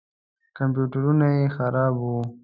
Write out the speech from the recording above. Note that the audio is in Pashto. کمپیوټرونه یې خراب وو.